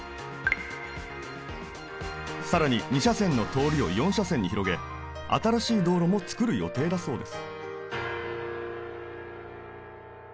更に２車線の通りを４車線に広げ新しい道路も作る予定だそうです